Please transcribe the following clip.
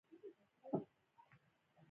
ډرامه د ژوند تمثیل دی